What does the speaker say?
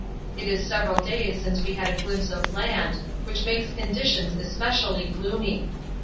It is several days since we had a glimpse of land, which makes conditions especially gloomy.